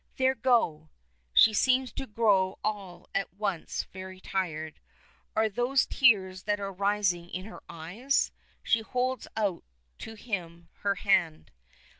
There, go!" She seems to grow all at once very tired. Are those tears that are rising in her eyes? She holds out to him her hand.